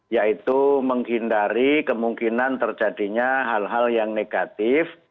yaitu menghindari kemungkinan terjadinya hal hal yang negatif